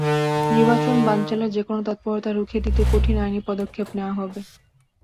নির্বাচন বানচালের যেকোনো তৎপরতা রুখে দিতে কঠোর আইনি পদক্ষেপ নেওয়া হবে।